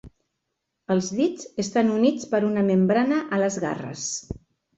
El dits estan units per una membrana a les garres.